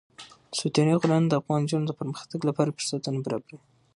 ستوني غرونه د افغان نجونو د پرمختګ لپاره فرصتونه برابروي.